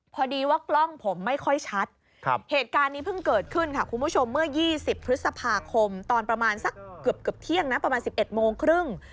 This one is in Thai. พอดีว่ากล้องผมไม่ค่อยชัดเหตุการณ์นี้เพิ่งเกิดขึ้นค่ะคุณผู้ชมเมื่อ๒๐พฤษภาคมตอนประมาณสักเกือบเที่ยงนะประมาณ๑๑โมงครึ่ง